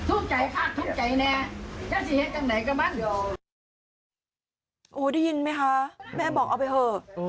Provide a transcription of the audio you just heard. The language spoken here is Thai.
โอ้โหได้ยินไหมคะแม่บอกเอาไปเถอะ